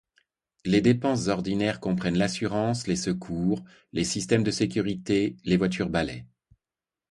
Les dépenses ordinaires comprennent l'assurance, les secours, les systèmes de sécurité, les voitures balai...